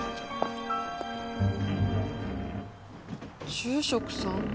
住職さん？